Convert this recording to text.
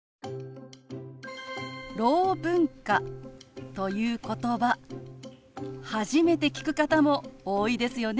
「ろう文化」ということば初めて聞く方も多いですよね。